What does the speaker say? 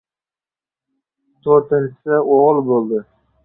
To‘rtinchisi o‘g‘il bo‘ldi.